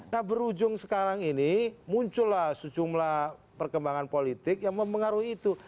nah berujung sekarang ini muncullah sejumlah perkembangan politik yang mempengaruhi itu